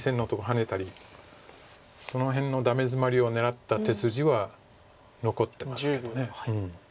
ハネたりその辺のダメヅマリを狙った手筋は残ってますけど。